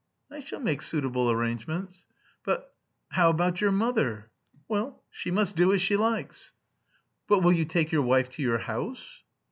"I shall make suitable arrangements." "But... how about your mother?" "Well, she must do as she likes." "But will you take your wife to your house?"